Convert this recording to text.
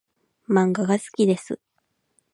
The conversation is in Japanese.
漫画が好きです。